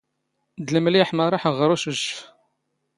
ⴷ ⵍⵎⵍⵉⵃ ⵎⴰ ⵕⴰⵃⵖ ⵖⵔ ⵓⵛⵓⵛⵛⴼ.